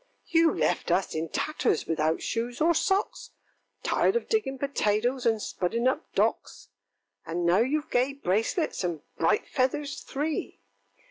ŌĆöŌĆ£You left us in tatters, without shoes or socks, Tired of digging potatoes, and spudding up docks; And now youŌĆÖve gay bracelets and bright feathers three!